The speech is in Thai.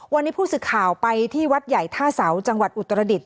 วันนี้ผู้สื่อข่าวไปที่วัดใหญ่ท่าเสาจังหวัดอุตรดิษฐ